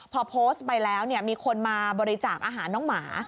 พอโพสต์ไปแล้วมีคนมาบริจาคอาหารน้องหมา